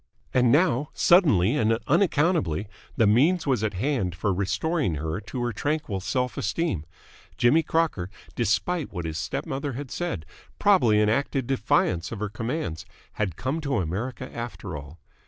And now, suddenly and unaccountably, the means was at hand for restoring her to her tranquil self esteem. Jimmy Crocker, despite what his stepmother had said, probably in active defiance of her commands, had come to America after all.